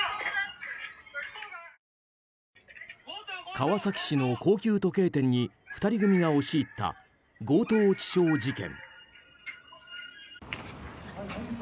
川崎市の高級時計店に２人組が押し入った強盗致傷事件。